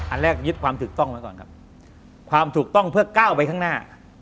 อันแรกยึดความถูกต้องไว้ก่อนครับความถูกต้องเพื่อก้าวไปข้างหน้า